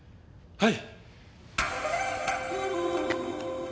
はい。